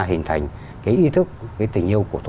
hình thành cái ý thức cái tình yêu của tổ quốc